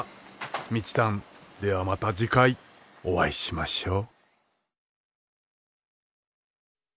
「みちたん」ではまた次回お会いしましょう。